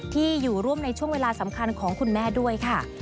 ที่อยู่ร่วมในช่วงเวลาสำคัญของคุณแม่ด้วยค่ะ